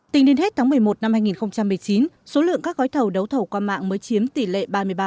tính đến hết tháng một mươi một năm hai nghìn một mươi chín số lượng các gói thầu đấu thầu qua mạng mới chiếm tỷ lệ ba mươi ba